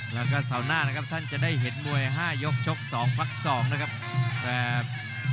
แล้วก็เสาร์หน้านะครับท่านจะได้เห็นมวย๕ยกชก๒พัก๒นะครับ